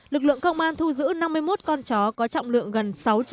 lực lượng công an thu giữ năm mươi một con chó có trọng lượng gần sáu mươi